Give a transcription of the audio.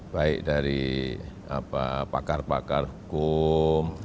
baik dari pakar pakar hukum